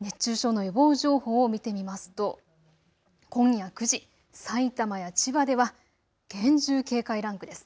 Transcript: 熱中症の予防情報を見てみますと今夜９時、さいたまや千葉では厳重警戒ランクです。